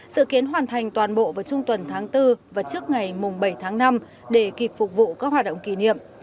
dự kiến hoàn thành toàn bộ vào trung tuần tháng bốn và trước ngày bảy tháng năm để kịp phục vụ các hoạt động kỷ niệm